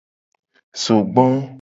Zogbo.